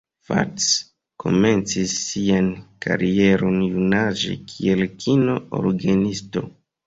Fats komencis sian karieron junaĝe kiel kino-orgenisto.